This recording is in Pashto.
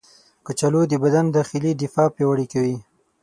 کچالو د بدن داخلي دفاع پیاوړې کوي.